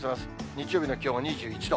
日曜日の気温は２１度。